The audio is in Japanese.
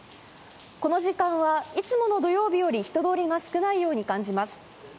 この時間はいつもの土曜日より人通りが少ないように感じます。